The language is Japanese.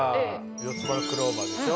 四つ葉のクローバーでしょ。